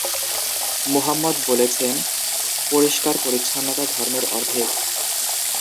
মুহাম্মদ বলেছেন, "পরিষ্কার পরিচ্ছন্নতা ধর্মের অর্ধেক"।